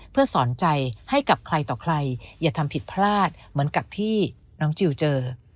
เพื่อสอนใจให้กับใครต่อใครอย่าทำผิดพลาดเหมือนกับที่น้องจิลเจอ